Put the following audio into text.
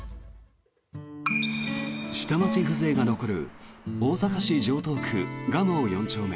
下町風情が残る大阪市城東区蒲生四丁目